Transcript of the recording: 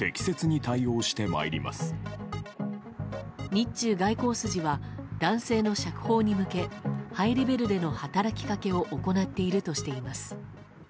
日中外交筋は男性の釈放に向けハイレベルでの働きかけを行っているとしています。